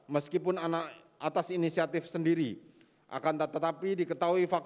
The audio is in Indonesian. meskipun atas inisiatif senjata glock